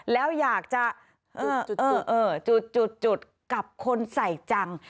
แล้วอยากจะจุดกับคนใส่จัง